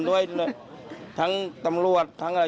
มีวัชชาชนด้วยทั้งตำรวจทั้งอะไร